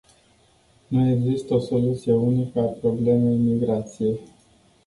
Nu există o soluție unică a problemei migrației.